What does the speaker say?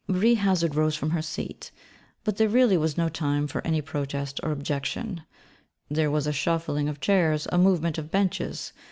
Marie Hazard rose from her seat: but there really was no time for any protest or objection. There was a shuffling of chairs, a movement of benches.